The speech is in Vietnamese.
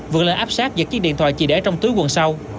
vượt lên áp sát giật chiếc điện thoại chỉ để trong túi quần sau